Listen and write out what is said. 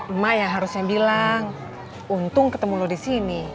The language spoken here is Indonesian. emak ya harusnya bilang untung ketemu lo di sini